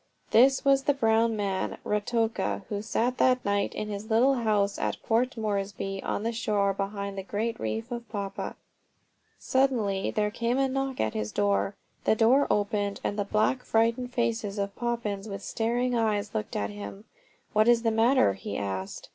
This was the brown man, Ruatoka, who sat that night in his little house at Port Moresby on the shore behind the great reef of Papua. Suddenly there came a knock at his door. The door opened, and the black, frightened faces of Papuans, with staring eyes, looked at him. "What is the matter?" he asked.